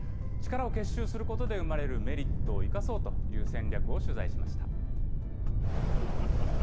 力を結集することで生まれるメリットを生かそうという戦略を取材しました。